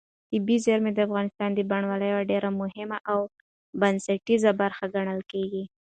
طبیعي زیرمې د افغانستان د بڼوالۍ یوه ډېره مهمه او بنسټیزه برخه ګڼل کېږي.